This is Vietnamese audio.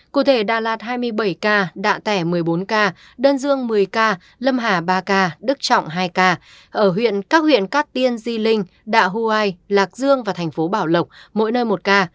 cụ thể đà lạt hai mươi bảy ca đạ tẻ một mươi bốn ca đơn dương một mươi ca lâm hà ba ca đức trọng hai ca ở huyện các huyện cát tiên di linh đạ huai lạc dương và thành phố bảo lộc mỗi nơi một ca